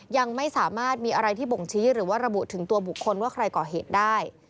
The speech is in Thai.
ยังไม่สามารถมีอะไรที่บ่งชี้หรือว่าระบุถึงตัวบุคคลว่าใครก่อเหตุได้